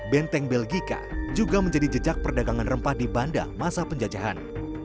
benteng belgika juga menjadi jejak perdagangan rempah di banda masa penjajahan